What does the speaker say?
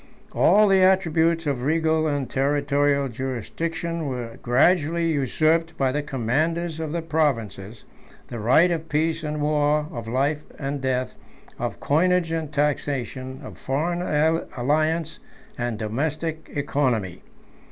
All the attributes of regal and territorial jurisdiction were gradually usurped by the commanders of the provinces; the right of peace and war, of life and death, of coinage and taxation, of foreign alliance and domestic economy.